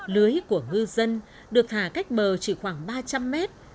lưới của ngư dân được thả cách bờ chỉ khoảng ba trăm linh mét